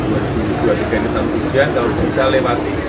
tahun ujian kalau bisa lewati